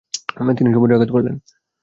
তিনি সুমদ্রে আঘাত করলেন।